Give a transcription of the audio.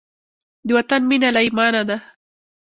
د وطن مینه له ایمانه ده.